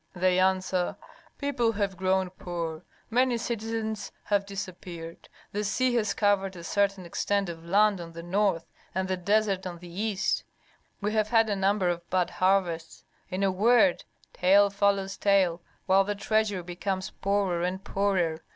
They answer: people have grown poor, many citizens have disappeared, the sea has covered a certain extent of land on the north, and the desert on the east, we have had a number of bad harvests; in a word, tale follows tale while the treasury becomes poorer and poorer.